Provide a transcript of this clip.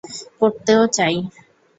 পরতে ও চাই।